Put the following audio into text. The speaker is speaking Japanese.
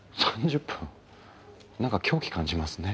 ３０分なんか狂気感じますね。